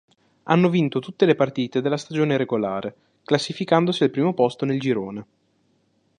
Hanno vinto tutte le partite della stagione regolare, classificandosi al primo posto nel girone.